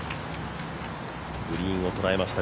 グリーンを捉えました。